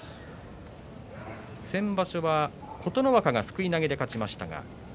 先場所は琴ノ若がすくい投げで勝ちました。